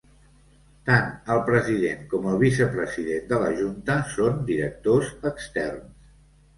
Tant el president com el vicepresident de la junta són directors externs.